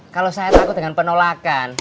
kalau saya takut dengan penolakan